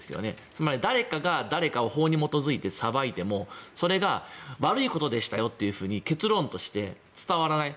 つまり誰かが誰かを法に基づいて裁いてもそれが悪いことでしたよと結論として伝わらない。